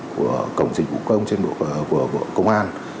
của cổng dịch vụ công trên bộ công an